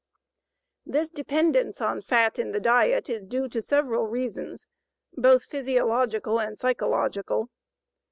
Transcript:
This dependence on fat in the diet is due to several reasons, both physiological and psychological.